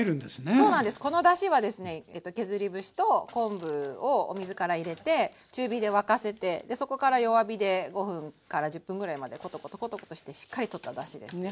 そうなんですこのだしはですね削り節と昆布をお水から入れて中火で沸かせてそこから弱火で５分から１０分ぐらいまでコトコトコトコトしてしっかり取っただしです。ね